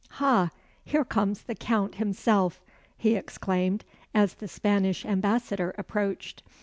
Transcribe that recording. Ha! here comes the Count himself," he exclaimed, as the Spanish Ambassador approached.